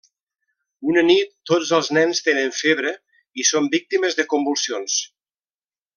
Una nit, tots els nens tenen febre i són víctimes de convulsions.